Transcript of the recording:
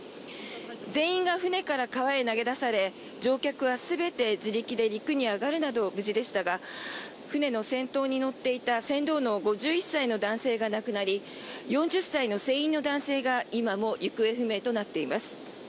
全員が船から川に投げ出され乗客は自力で陸に上がるなど無事でしたが船の先頭に乗っていた船頭の５１歳の男性が亡くなり４０歳の船員の男性が今も行方不明となっています。